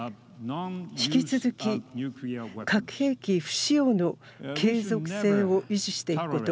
引き続き、核兵器不使用の継続性を維持していくこと。